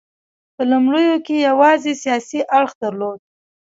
په لومړیو کې یوازې سیاسي اړخ درلود